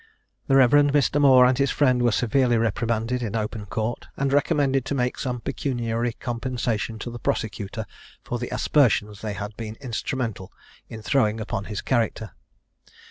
The Rev. Mr. Moor and his friend were severely reprimanded in open court, and recommended to make some pecuniary compensation to the prosecutor for the aspersions they had been instrumental in throwing upon his character.